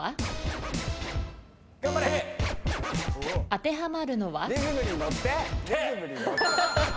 当てはまるのは？